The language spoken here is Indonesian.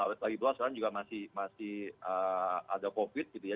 apalagi dua sekarang juga masih ada covid gitu ya